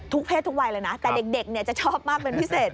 เพศทุกวัยเลยนะแต่เด็กจะชอบมากเป็นพิเศษ